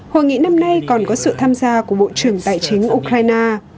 hội nghị năm nay còn có sự tham gia của bộ trưởng tài chính ukraine